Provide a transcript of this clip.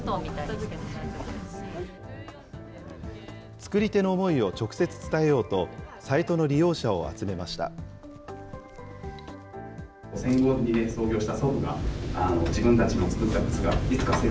作り手の思いを直接伝えようと、サイトの利用者を集めました。